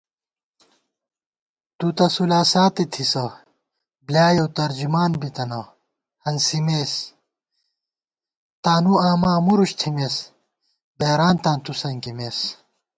تُوتہ سولہ ساتےتھِسہ بلیائېؤ ترجمان بِتَنہ ہنسِمېس * تانُوآما مُرُچ تھِمېس بېرانتاں تُوسنکِمېس